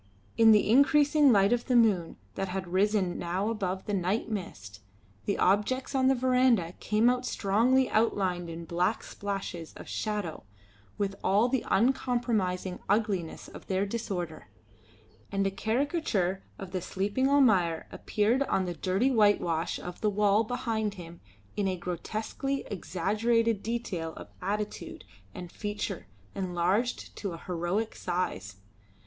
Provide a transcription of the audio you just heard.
In the increasing light of the moon that had risen now above the night mist, the objects on the verandah came out strongly outlined in black splashes of shadow with all the uncompromising ugliness of their disorder, and a caricature of the sleeping Almayer appeared on the dirty whitewash of the wall behind him in a grotesquely exaggerated detail of attitude and feature enlarged to a heroic size.